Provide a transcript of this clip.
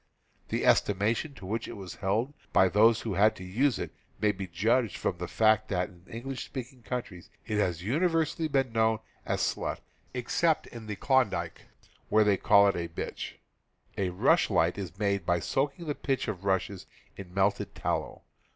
The estimation in which it was held by those who had to use it may be judged from the fact that in Enghsh speaking countries it has universally been known as a "slut," except in the Klondike, where they call it a "bitch." A rush light is made by soaking the pith of rushes in melted tallow.